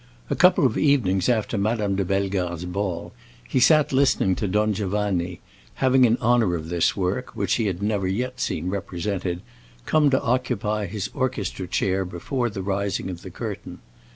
A couple of evenings after Madame de Bellegarde's ball he sat listening to "Don Giovanni," having in honor of this work, which he had never yet seen represented, come to occupy his orchestra chair before the rising of the curtain.